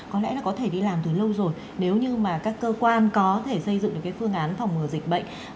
có lẽ là có thể đi làm từ lâu rồi nếu như mà các cơ quan có thể xây dựng được cái phương án phòng ngừa dịch bệnh